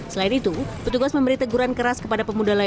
selain itu petugas memberi teguran keras kepada pemuda lain